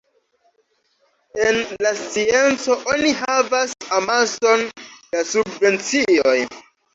En la scienco oni havas amason da subvencioj.